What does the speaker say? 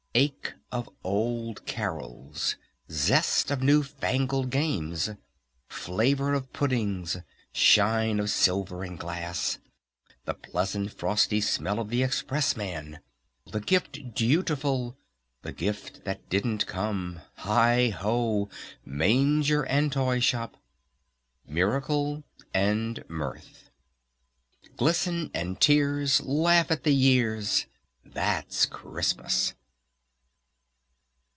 Ache of old carols! Zest of new fangled games! Flavor of puddings! Shine of silver and glass! The pleasant frosty smell of the Express man! The Gift Beautiful! The Gift Dutiful! The Gift that Didn't Come! Heigho! Manger and Toy Shop, Miracle and Mirth, "Glisten and Tears, LAUGH at the years!" That's Christmas!